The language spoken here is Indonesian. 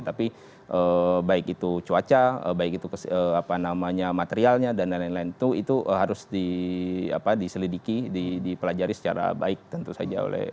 tapi baik itu cuaca baik itu apa namanya materialnya dan lain lain itu harus diselidiki dipelajari secara baik tentu saja oleh